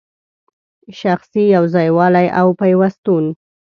شخصي یو ځای والی او پیوستون